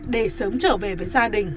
để sớm trở về với gia đình